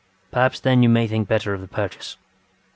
Perhaps then you may think better of the purchase.